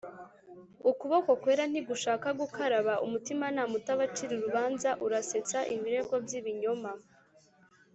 ukuboko kwera ntigushaka gukaraba umutimanama utabacira urubanza urasetsa ibirego by'ibinyoma.